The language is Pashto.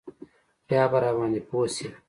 بيا به راباندې پوه سي.